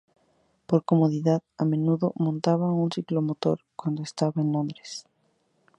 Por comodidad, a menudo montaba un ciclomotor cuando estaba en Londres.